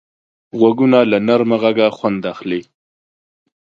غوږونه له نرمه غږه خوند اخلي